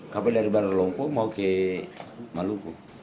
kapal dari barolongko mau ke maluku